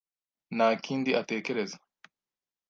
nta kindi atekereza,